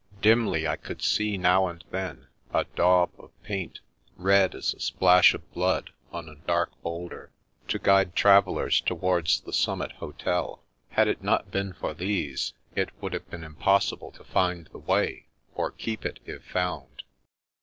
Dimly I could see, now and then, a daub of paint, red as a splash of blood, on a dark boulder, to guide travellers towards the summit hotel. Had it not been for these, it would have been impossible to find the way, or keep it if found.